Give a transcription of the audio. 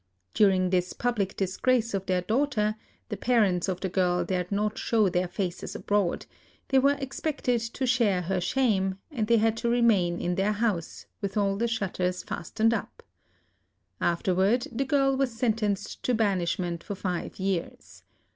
During this public dis grace of their daughter, the parents of the girl dared not show their faces abroad ; they were expected to share her shame, and they had to remain in their house, with all the shutters fastened up. Afterward the girl was sentenced to banishment for five years.